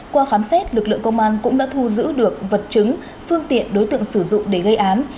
qua khám xét lực lượng công an cũng đã thu giữ được vật chứng phương tiện đối tượng sử dụng để gây án